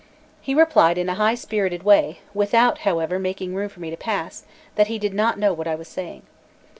He replied in a high spirited way, without, however, making room for me to pass, that he did not know what I was saying.